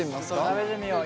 食べてみよう。